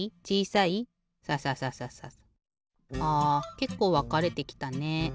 けっこうわかれてきたね。